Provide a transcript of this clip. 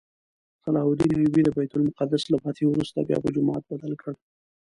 صلاح الدین ایوبي د بیت المقدس له فتحې وروسته بیا په جومات بدل کړ.